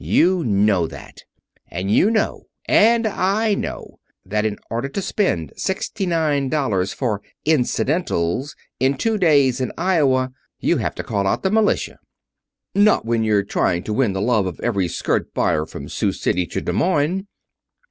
You know that. And you know, and I know, that in order to spend sixty nine dollars for incidentals in two days in Iowa you have to call out the militia." "Not when you're trying to win the love of every skirt buyer from Sioux City to Des Moines."